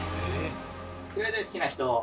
平井大好きな人？